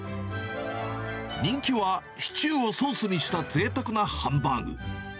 人気は、シチューをソースにしたぜいたくなハンバーグ。